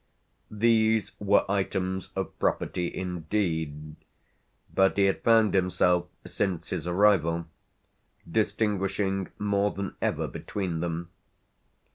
These were items of property indeed, but he had found himself since his arrival distinguishing more than ever between them.